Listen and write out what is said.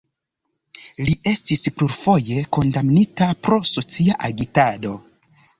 Li estis plurfoje kondamnita pro socia agitado.